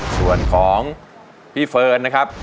ส่วนของพี่เฟิร์นนะครับ